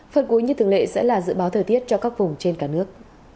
phần cuối như thường lệ sẽ là dự báo thời tiết cho các vùng trên cả nước